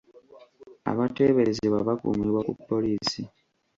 Abateeberezebwa bakuumibwa ku poliisi.